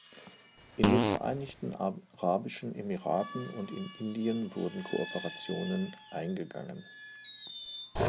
In den Vereinigten Arabischen Emiraten und in Indien wurden Kooperationen eingegangen.